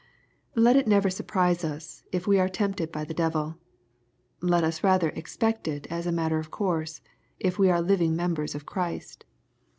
Let it never surprise us, if we are tempted by the devil. Let us rather expect it, as a matter of course, if we are tiving members of Christ.